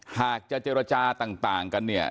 หากจะเจรจาต่างกัน